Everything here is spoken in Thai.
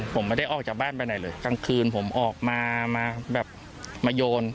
ผมไม่ได้ออกจากบ้านไปไหนเลยกลางคืนผมออกมามาแบบมาโยน